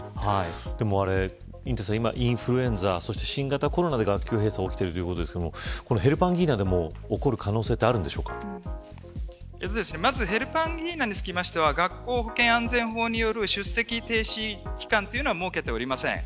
今、インフルエンザと新型コロナで学級閉鎖が起きていますがヘルパンギーナでも起きるヘルパンギーナについては学校保健安全法による出席停止期間は設けていません。